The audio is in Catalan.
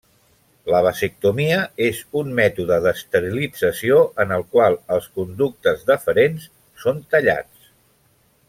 La vasectomia és un mètode d'esterilització en el qual els conductes deferents són tallats.